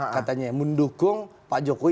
katanya mendukung pak jokowi